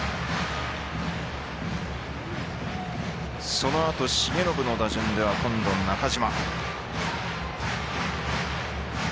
そのあと重信の打順では今度は中島。